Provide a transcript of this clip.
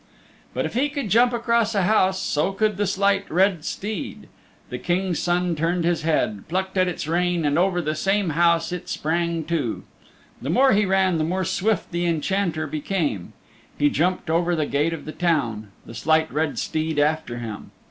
But if he could jump across a house so could the Slight Red Steed. The King's Son turned its head, plucked at its rein, and over the same house it sprang too. The more he ran the more swift the Enchanter became. He jumped over the gate of the town, the Slight Red Steed after him.